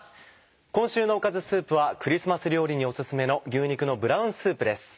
今週のおかずスープはクリスマス料理にオススメの「牛肉のブラウンスープ」です。